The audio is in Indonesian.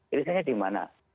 irisanya di mana